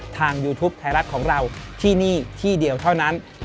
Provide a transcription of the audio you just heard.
ยูทูปไทยรัฐของเราที่นี่ที่เดียวเท่านั้น